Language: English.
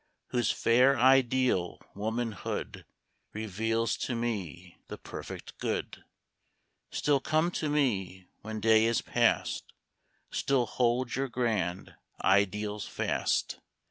Whose fair ideal womanhood Reveals to me the perfect good, Still come to me when day is past ; Still hold your grand ideals fast.